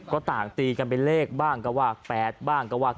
ก็ต่างตีกันเป็นเลขบ้างก็ว่า๘บ้างก็ว่ากัน